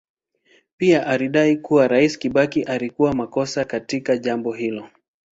Pia alidai kuwa Rais Kibaki alikuwa makosa katika jambo hilo.